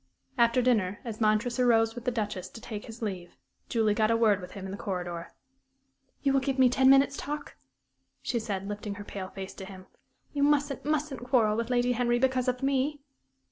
After dinner, as Montresor rose with the Duchess to take his leave, Julie got a word with him in the corridor. "You will give me ten minutes' talk?" she said, lifting her pale face to him. "You mustn't, mustn't quarrel with Lady Henry because of me."